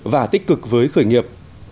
và tích cực với khởi nghiệp